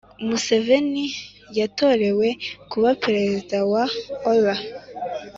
museveni yatorewe kuba perezida wa oua,